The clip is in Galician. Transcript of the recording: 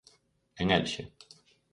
En Elxe.